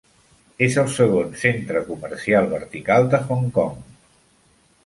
És el segon "centre comercial vertical" de Hong Kong.